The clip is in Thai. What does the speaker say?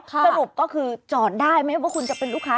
สรุปก็คือจอดได้ไหมว่าคุณจะเป็นลูกค้า